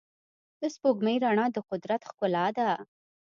د سپوږمۍ رڼا د قدرت ښکلا ده.